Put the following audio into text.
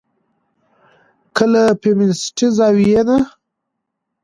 که له فيمنستي زاويې نه